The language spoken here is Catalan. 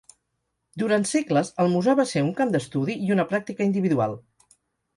Durant segles, el Musar va ser un camp d'estudi, i una pràctica individual.